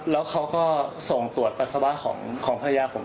แล้วเขาก็ส่งตรวจปัสสาวะของภรรยาผม